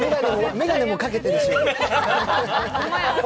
眼鏡もかけてるし。